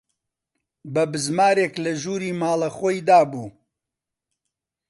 بە بزمارێک لە ژووری ماڵە خۆی دابوو